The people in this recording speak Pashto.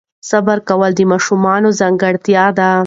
صبر کول د ماشومانو ځانګړتیا ده.